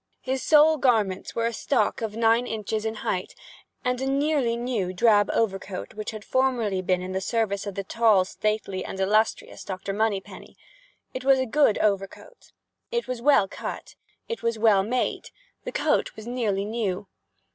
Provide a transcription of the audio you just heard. His sole garments were a stock of nine inches in height, and a nearly new drab overcoat which had formerly been in the service of the tall, stately, and illustrious Dr. Moneypenny. It was a good overcoat. It was well cut. It was well made. The coat was nearly new.